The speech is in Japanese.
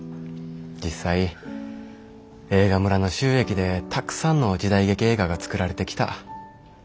実際映画村の収益でたくさんの時代劇映画がつくられてきた。